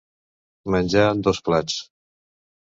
Menjar en dos plats.